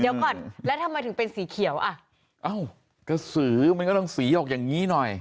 เดี๋ยวก่อนแล้วทำไมถึงเป็นสีเขียวอ่ะเอ้ากระสือมันก็ต้องสีออกอย่างนี้หน่อย